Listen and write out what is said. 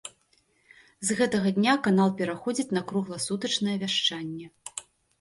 З гэтага дня канал пераходзіць на кругласутачнае вяшчанне.